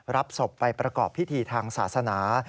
รับศพไปประกอบพิธีทางศาสนา